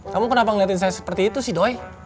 kamu kenapa ngeliatin saya seperti itu sih doy